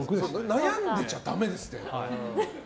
悩んでちゃだめですって！